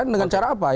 dengan cara apa